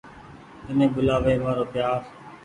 تني ٻولآوي مآرو پيآر۔